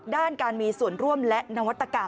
ด้านการมีส่วนร่วมและนวัตกรรม